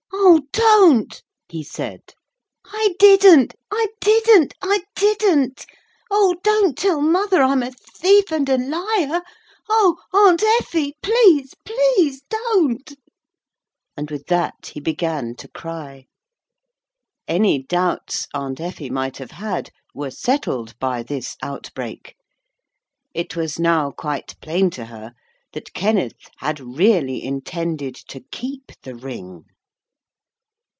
'Oh, don't,' he said, 'I didn't. I didn't. I didn't. Oh! don't tell mother I'm a thief and a liar. Oh! Aunt Effie, please, please don't.' And with that he began to cry. Any doubts Aunt Effie might have had were settled by this outbreak. It was now quite plain to her that Kenneth had really intended to keep the ring.